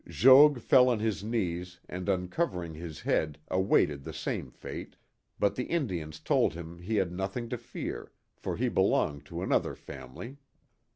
Jogues fell on his knees and uncovering his head awaited the same fate, but the Indians told him he had nothing to fear, for he belonged to an other family.'